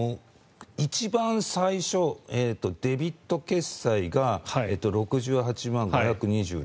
一番最初、デビット決済が６８万５２６円。